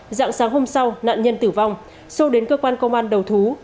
sô dạng sáng hôm sau nạn nhân tử vong sô đến cơ quan công an đầu thú